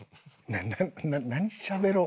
何しゃべろう？